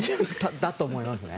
だと思いますね。